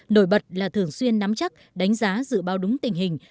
nổi bật là thường xuyên nắm chắc đánh giá dự báo đúng tình hình